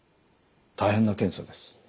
大変な検査です。